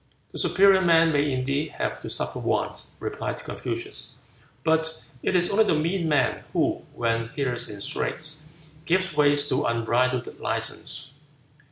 "The superior man may indeed have to suffer want," replied Confucius, "but it is only the mean man who, when he is in straits, gives way to unbridled license."